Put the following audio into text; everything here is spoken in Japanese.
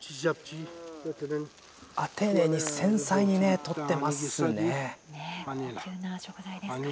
丁寧に繊細にね採ってますね。